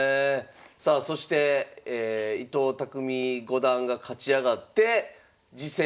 さあそして伊藤匠五段が勝ち上がって次戦